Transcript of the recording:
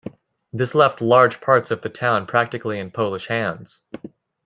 This left large parts of the town practically in Polish hands.